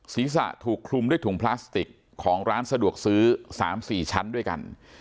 ศีรษะถูกคลุมด้วยถุงพลาสติกของร้านสะดวกซื้อ๓๔ชั้นด้วยกัน